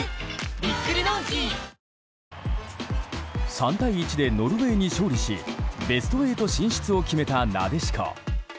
３対１でノルウェーに勝利しベスト８進出を決めたなでしこ。